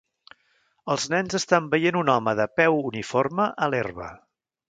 Els nens estan veient un home de peu uniforme a l'herba